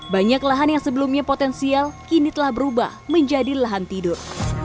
banyak lahan yang sebelumnya potensial kini telah berubah menjadi lahan tidur